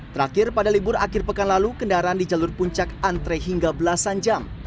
terakhir pada libur akhir pekan lalu kendaraan di jalur puncak antre hingga belasan jam